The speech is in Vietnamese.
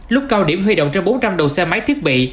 lúc cao điểm huy động trên bốn trăm linh đầu xe máy thiết bị